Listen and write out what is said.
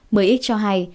mới ít cho hay